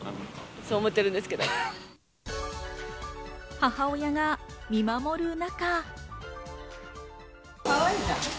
母親が見守る中。